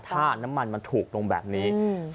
ถ้าน้ำมันมันถูกลงแบบนี้